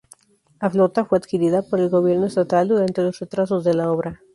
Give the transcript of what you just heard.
A flota fue adquirida por el gobierno estatal durante los retrasos de la obra.